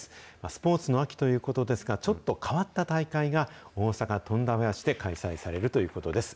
スポーツの秋ということですが、ちょっと変わった大会が、大阪・富田林で開催されるということです。